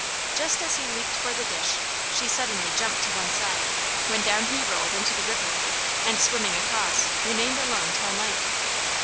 Just as he leaped for the dish, she suddenly jumped to one side, when down he rolled into the river, and swimming across, remained alone till night.